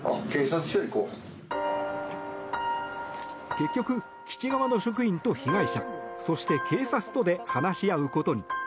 結局、基地側の職員と被害者そして警察とで話し合うことに。